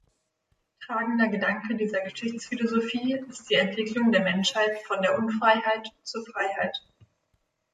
Tragender Gedanke dieser Geschichtsphilosophie ist die Entwicklung der Menschheit von der Unfreiheit zur Freiheit.